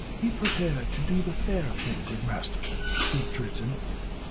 "Be persuaded to do the fair thing, good master," said Dritzhn.